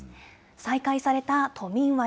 再開された都民割。